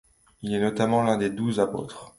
Il est notamment l'un des douze apôtres.